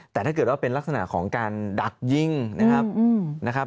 แต่ถ้าเกิดว่าเป็นลักษณะของการดักยิงนะครับ